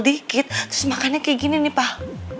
sedikit terus makannya kayak gini nih pak